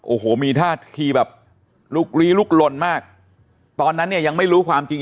โอ้โหมีท่าทีแบบลุกลี้ลุกลนมากตอนนั้นเนี่ยยังไม่รู้ความจริง